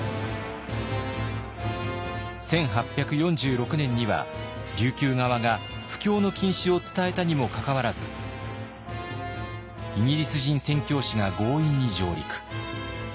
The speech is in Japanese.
１８４６年には琉球側が布教の禁止を伝えたにもかかわらずイギリス人宣教師が強引に上陸。